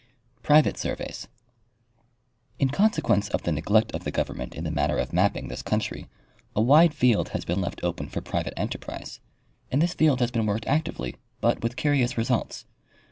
Private Surveys. In consequence of the neglect of the government in the matter of mapping this country, a wide field has been left open for pri vate enterprise, and this field has been worked actively, but with curious results.